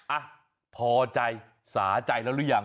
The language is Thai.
อ่ะพอใจสาใจแล้วหรือยัง